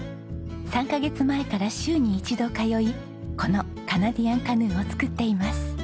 ３カ月前から週に一度通いこのカナディアンカヌーを作っています。